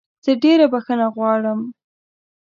زه ډېره بخښنه غواړم